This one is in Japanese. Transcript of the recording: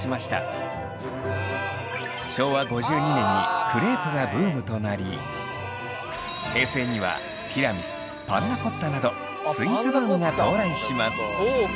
昭和５２年にクレープがブームとなり平成にはティラミスパンナコッタなどスイーツブームが到来します。